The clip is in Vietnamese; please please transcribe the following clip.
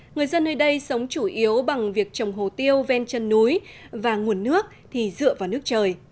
người dân nơi đây sống chủ yếu bằng việc trồng hồ tiêu ven chân núi và nguồn nước thì dựa vào nước trời